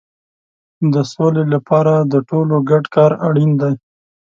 د سولې لپاره د ټولو ګډ کار اړین دی.